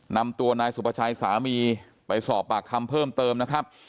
นำตัวนายสุภาชัยสามีไปสอบปากคำเพิ่มเติมนะครับ